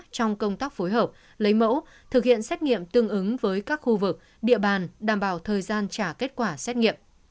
trong công tác phối hợp lấy mẫu thực hiện xét nghiệm tương ứng với các khu vực địa bàn đảm bảo thời gian trả kết quả xét nghiệm